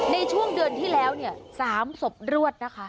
ในช่วงเดือนที่แล้วเนี่ย๓ศพรวดนะคะ